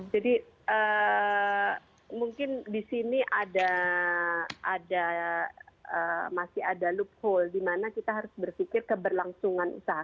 jadi mungkin di sini ada masih ada loophole di mana kita harus berpikir keberlangsungan usaha